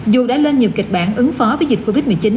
dù đã lên nhiều kịch bản ứng phó với dịch covid một mươi chín